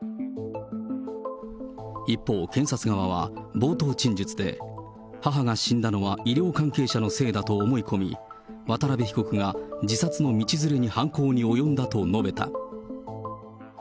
一方、検察側は冒頭陳述で母が死んだのは医療関係者のせいだと思い込み、渡辺被告が自殺の道連れに犯行に及んだと述べた。